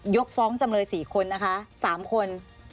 กฟ้องจำเลย๔คนนะคะ๓คน